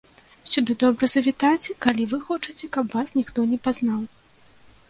Сюды добра завітаць, калі вы хочаце, каб вас ніхто не пазнаў.